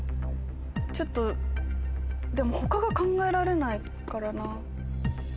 ちょっとでも他が考えられないからな。